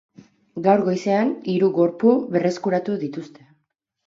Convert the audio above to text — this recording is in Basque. Gaur goizean, hiru gorpu berreskuratu dituzte.